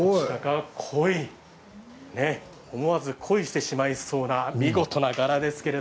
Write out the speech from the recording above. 思わず恋してしまいそうな見事な柄です。